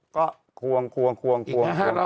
ควรควร